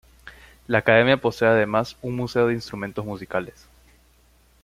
La Academia posee además un museo de instrumentos musicales.